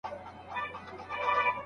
هغې په لاس کې لوښي اخیستي وو.